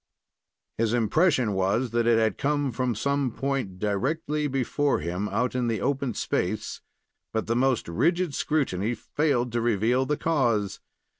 His impression was that it came from some point directly before him out on the open space; but the most rigid scrutiny failed to reveal the cause.